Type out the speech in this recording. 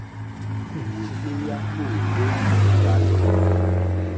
Lìwòtéyá môrzó mòrzàlì.